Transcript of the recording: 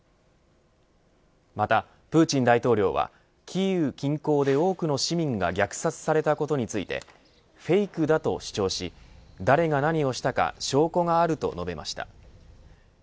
また、プーチン大統領はキーウ近郊で多くの市民が虐殺されたことについてフェイクだと主張し誰が何をしたか証拠があると述べました。